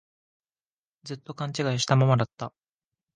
ずっと勘違いしたままだった